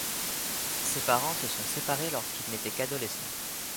Ses parents se sont séparés lorsqu'il n'était qu'adolescent.